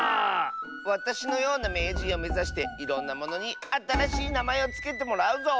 わたしのようなめいじんをめざしていろんなものにあたらしいなまえをつけてもらうぞ。